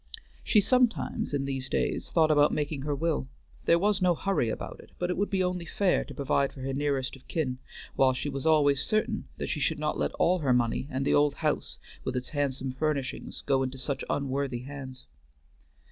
She sometimes in these days thought about making her will; there was no hurry about it, but it would be only fair to provide for her nearest of kin, while she was always certain that she should not let all her money and the old house with its handsome furnishings go into such unworthy hands.